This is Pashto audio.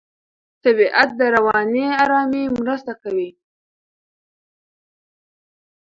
طبیعت د رواني آرامۍ مرسته کوي.